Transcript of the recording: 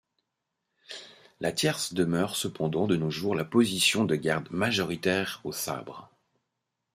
La tierce demeure cependant de nos jours la position de garde majoritaire au sabre.